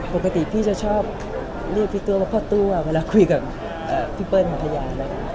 ปกติพี่จะชอบเรียกพี่ตัวพ่อตัวเวลาคุยกับพี่เปิ้ลผ่าขยาน